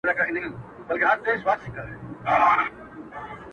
• د درد ملا مـــاتـــه سوې ده د درد چـنـار چـپه سـو؛